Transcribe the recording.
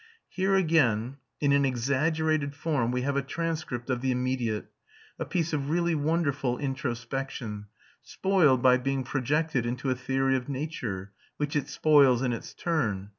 Here again, in an exaggerated form, we have a transcript of the immediate, a piece of really wonderful introspection, spoiled by being projected into a theory of nature, which it spoils in its turn.